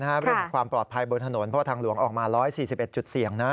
เรื่องของความปลอดภัยบนถนนเพราะว่าทางหลวงออกมา๑๔๑จุดเสี่ยงนะ